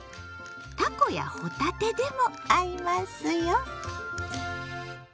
たこやほたてでも合いますよ。